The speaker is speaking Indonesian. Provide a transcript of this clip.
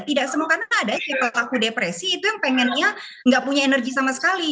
tidak semua karena ada pelaku depresi itu yang pengennya nggak punya energi sama sekali